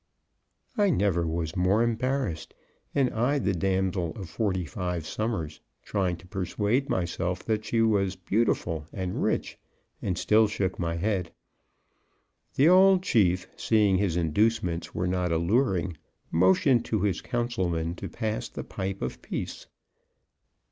I was never more embarrassed, and eyed the damsel of forty five summers, trying to persuade myself that she was beautiful and rich, and still shook my head. The old chief, seeing his inducements were not alluring, motioned to his councilman to pass the pipe of peace.